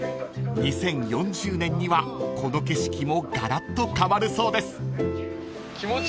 ［２０４０年にはこの景色もガラッと変わるそうです］